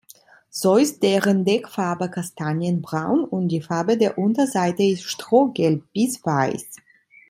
So ist deren Deckfarbe kastanienbraun und die Farbe der Unterseite ist strohgelb bis weiß.